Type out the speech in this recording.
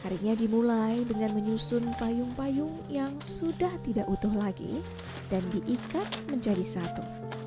harinya dimulai dengan menyusun payung payung yang sudah tidak utuh lagi dan diikat menjadi satu